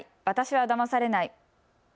私はだまされない。